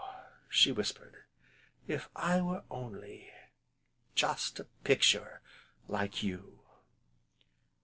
she whispered, "if I were only just a picture, like you."